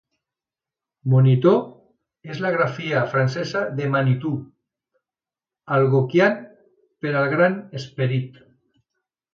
"Moniteau" és la grafia francesa de "Manitou", Algonquian per al Gran Esperit.